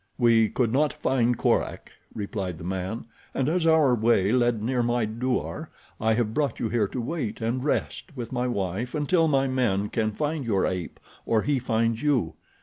"We could not find Korak," replied the man, "and as our way led near my douar I have brought you here to wait and rest with my wife until my men can find your ape, or he finds you.